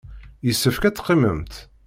Yessefk ad teqqimemt.